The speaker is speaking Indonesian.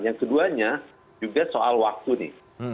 yang keduanya juga soal waktu nih